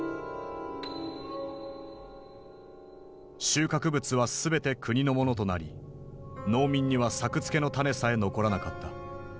収穫物は全て国のものとなり農民には作付けの種さえ残らなかった。